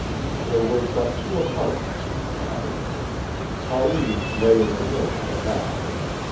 There were but two apartments in the cottage. Pauline lay in the room at the back.